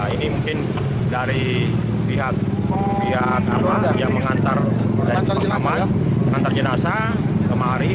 ini mungkin dari pihak yang mengantar jenazah kemari